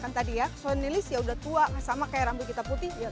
kan tadi ya sony list ya udah tua sama kayak rambut kita putih ya